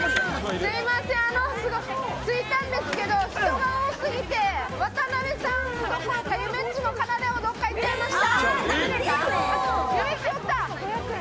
すいません、着いたんですけど人が多すぎて渡邊さんどころかゆめっちもかなでもどっか行っちゃいました。